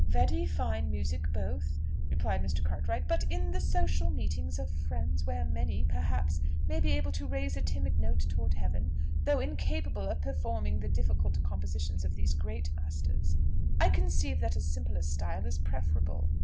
'" "Very fine music both," replied Mr. Cartwright; "but in the social meetings of friends, where many perhaps may be able to raise a timid note toward heaven, though incapable of performing the difficult compositions of these great masters, I conceive that a simpler style is preferable.